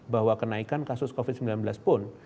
bahwa kenaikan kasus covid sembilan belas pun